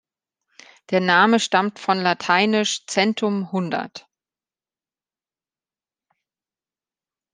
Der Name stammt von lateinisch "centum" „Hundert“.